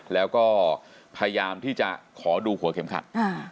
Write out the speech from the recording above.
แล้วก็พยายามที่จะขอดูหัวเข็มขัด